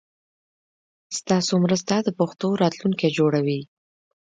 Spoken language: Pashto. ستاسو مرسته د پښتو راتلونکی جوړوي.